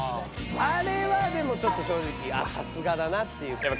あれはでもちょっと正直さすがだなっていう。